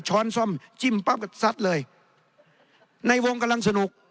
้อนส้มจิ้มปั๊บกันซัดเลยในวงกำลังสนุก